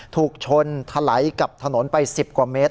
ถูกชนถลายกับถนนไป๑๐กว่าเมตร